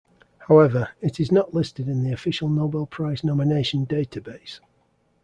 However, it is not listed in the official Nobel Prize nomination database.